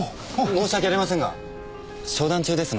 申し訳ありませんが商談中ですので。